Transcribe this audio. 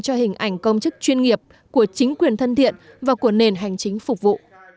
cho hình ảnh công chức chuyên nghiệp của chính quyền thân thiện và của nền hành chính phục vụ